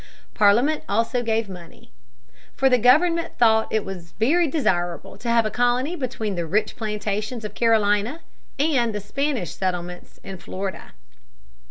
Parliament also gave money. For the government thought it very desirable to have a colony between the rich plantations of Carolina and the Spanish settlements in Florida.